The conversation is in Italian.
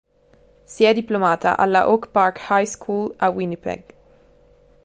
Si è diplomata alla Oak Park High School a Winnipeg.